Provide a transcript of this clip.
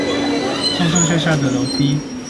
上上下下的樓梯